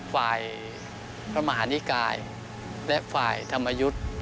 ฝ่ายพระมหานิกายและฝ่ายธรรมยุทธ์